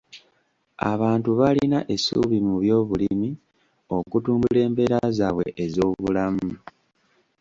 Abantu baalina essuubi mu byobulimi okutumbula embeera zaabwe ez'obulamu.